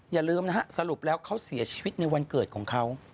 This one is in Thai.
อย่าลืมนะฮะสรุปแล้วเขาเสียชีวิตในวันเกิดของเขา